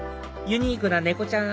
ユニークな猫ちゃん